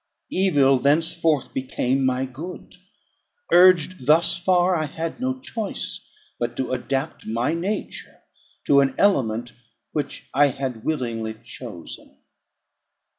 Evil thenceforth became my good. Urged thus far, I had no choice but to adapt my nature to an element which I had willingly chosen.